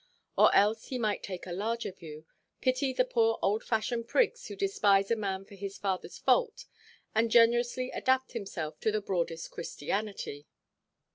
Or else he might take a larger view, pity the poor old–fashioned prigs who despise a man for his fatherʼs fault, and generously adapt himself to the broadest Christianity.